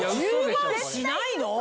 １０万しないの？